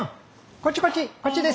こっちこっちこっちです。